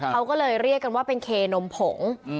เขาก็เลยเรียกกันว่าเป็นเคนมผง